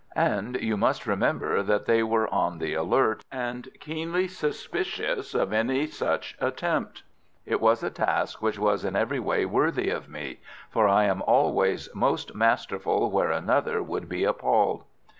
And you must remember that they were on the alert, and keenly suspicious of any such attempt. It was a task which was in every way worthy of me, for I am always most masterful where another would be appalled.